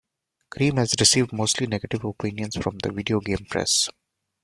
Cream has received mostly negative opinions from the video game press.